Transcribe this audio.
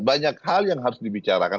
banyak hal yang harus dibicarakan